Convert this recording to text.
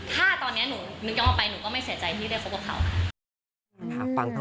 ถ้าตอนนี้หนูย้องออกไปหนูก็ไม่เสียใจที่เลิกกับเขากัน